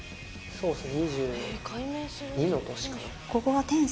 そうっすね。